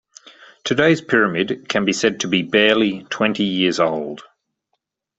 Today's pyramid can be said to be barely twenty years old.